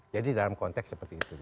jadi dalam konteks seperti itu